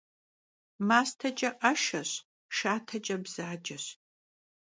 Masteç'e 'eşşeş, şşateç'e bzaceş.